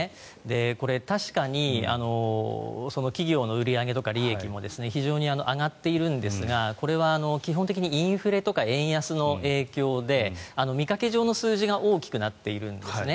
これ、確かに企業の売り上げとか利益も非常に上がっているんですがこれは基本的にインフレとか円安の影響で見かけ上の数字が大きくなっているんですね。